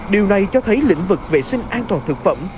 điều này cho thấy lĩnh vực vệ sinh an toàn thực phẩm